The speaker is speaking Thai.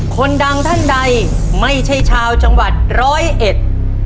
คนดังท่านใดไม่ใช่ชาวจังหวัดร้อยเอ็ด